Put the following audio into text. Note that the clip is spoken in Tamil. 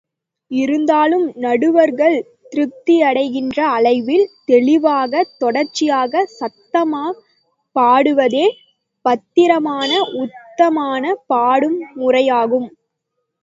இருந்தாலும் நடுவர்கள் திருப்தியடைகின்ற அளவில், தெளிவாக, தொடர்ச்சியாக, சத்தமாகப் பாடுவதே, பத்திரமான, உத்தமமான பாடும் முறையாகும்.